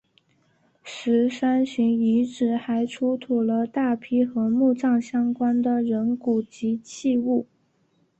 十三行遗址还出土了大批和墓葬相关的人骨及器物。